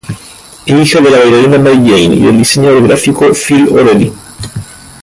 Es hija de la bailarina Mary Jane y del diseñador gráfico Phil O'Reilly.